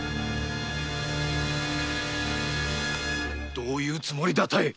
どういうつもりだ多江？